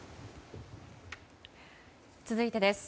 続いてです。